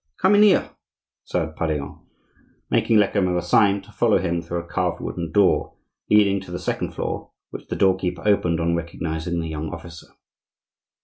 "Come in here," said Pardaillan, making Lecamus a sign to follow him through a carved wooden door leading to the second floor, which the door keeper opened on recognizing the young officer.